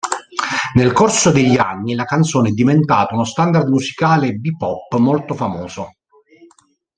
Nel corso degli anni la canzone è diventata uno standard musicale bebop molto famoso.